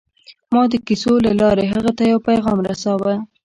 ما د کیسو له لارې هغه ته یو پیغام رساوه